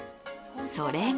それが